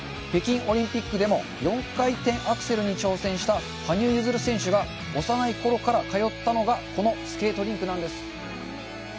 北京オリンピックでも４回転アクセルに挑戦した羽生結弦選手が幼い頃から通ったのがこのスケートリンクなんです。